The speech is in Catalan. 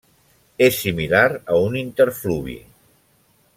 És similar a un interfluvi.